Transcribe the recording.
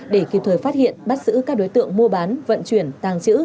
để kịp thời phát hiện bắt giữ các đối tượng mua bán vận chuyển tàng trữ